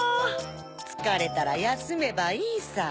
つかれたらやすめばいいさ。